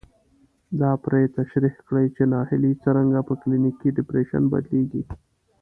دا پرې تشرېح کړي چې ناهيلي څرنګه په کلينيکي ډېپريشن بدلېږي.